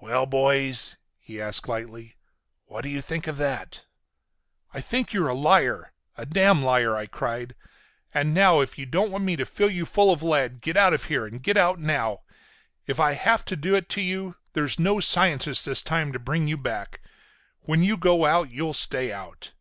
"Well, boys," he asked lightly, "what do you think of that?" "I think you're a liar! A damn liar!" I cried. "And now, if you don't want me to fill you full of lead, get out of here and get out now! If I have to do it to you, there's no scientist this time to bring you back. When you go out you'll stay out!"